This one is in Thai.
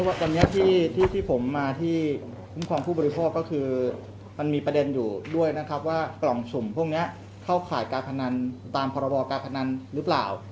ว่าตอนนี้ที่ผมมาที่คุ้มครองผู้บริโภคก็คือมันมีประเด็นอยู่ด้วยนะครับว่ากล่องสุ่มพวกนี้เข้าข่ายการพนันตามพรบการพนันหรือเปล่า